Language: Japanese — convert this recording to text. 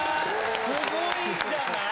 すごいんじゃない⁉